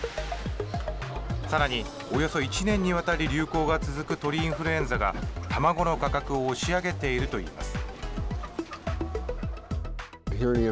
さらに、およそ１年にわたり流行が続く鳥インフルエンザが卵の価格を押し上げていると言います。